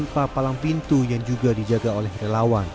tanpa palang pintu yang juga dijaga oleh relawan